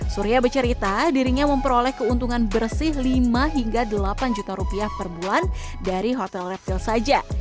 surya bercerita dirinya memperoleh keuntungan bersih lima hingga delapan juta rupiah per bulan dari hotel reptil saja